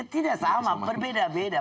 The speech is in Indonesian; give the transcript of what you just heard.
tidak sama berbeda beda